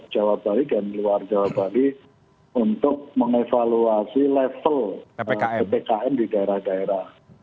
jawa bali dan luar jawa bali untuk mengevaluasi level ppkm di daerah daerah